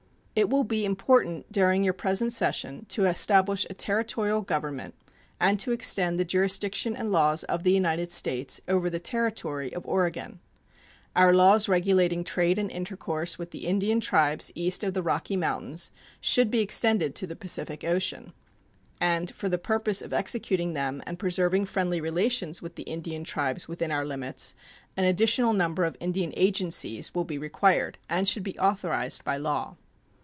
It will be important during your present session to establish a Territorial government and to extend the jurisdiction and laws of the United States over the Territory of Oregon. Our laws regulating trade and intercourse with the Indian tribes east of the Rocky Mountains should be extended to the Pacific Ocean; and for the purpose of executing them and preserving friendly relations with the Indian tribes within our limits, an additional number of Indian agencies will be required, and should be authorized by law.